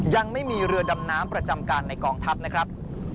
ยังไม่มีเรือดำน้ำประจำการในกองทัพนะครับ